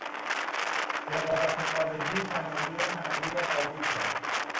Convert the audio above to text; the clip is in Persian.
رقابت خارجی صنایع محلی را نابود کرد.